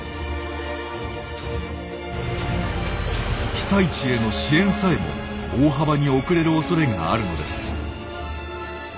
被災地への支援さえも大幅に遅れるおそれがあるのです。